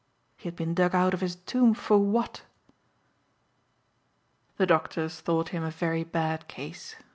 He had been dug out of his tomb for what? The doctors thought him a very bad case.